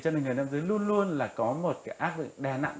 cho nên người nam giới luôn luôn là có một cái ác vực đe nặng